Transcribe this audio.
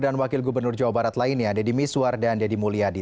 wakil gubernur jawa barat lainnya deddy miswar dan deddy mulyadi